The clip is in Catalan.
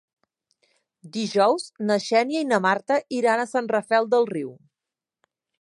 Dijous na Xènia i na Marta iran a Sant Rafel del Riu.